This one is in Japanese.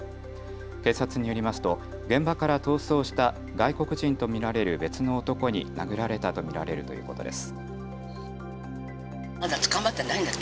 警察によりますと現場から逃走した外国人と見られる別の男に殴られたと見られるということです。